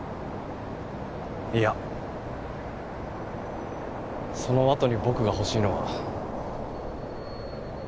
いやそのあとに僕が欲しいのは。